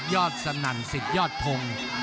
ยอดสนั่นสิทธิ์ยอดพงษ์